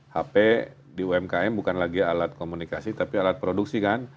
hp di umkm bukan lagi alat komunikasi tapi alat produksi kan